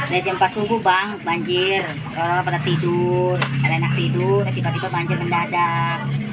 dari jam empat subuh bang banjir pada tidur anak anak tidur tiba tiba banjir mendadak